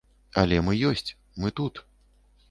Але мы ёсць, мы тут.